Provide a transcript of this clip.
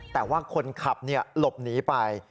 แต่ว่าคนขับหลบหนีไป